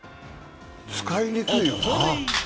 使いにくいよな？